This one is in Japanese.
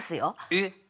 えっ？